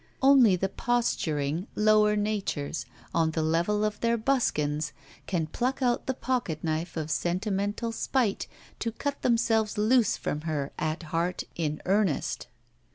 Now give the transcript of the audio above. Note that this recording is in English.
Only the posturing lower natures, on the level of their buskins, can pluck out the pocket knife of sentimental spite to cut themselves loose from her at heart in earnest.